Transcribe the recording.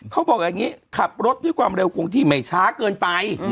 เขาบอกอย่างนี้ขับรถด้วยความเร็วคงที่ไม่ช้าเกินไป